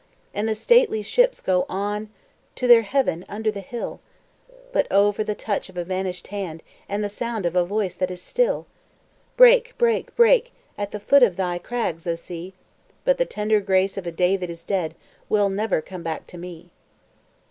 And the stately ships go on To their haven under the hill; But O for the touch of a vanish'd hand, And the sound of a voice that is still! Break, break, break, At the foot of thy crags, O Sea! But the tender grace of a day that is dead Will never come back to me.